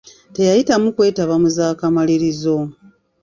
Teyayitamu kwetaba mu zaakamalirizo.